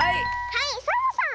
はいサボさん！